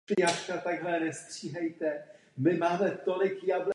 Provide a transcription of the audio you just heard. Některé z obrazových rámů měly malé otvory sloužící k vložení relikvií.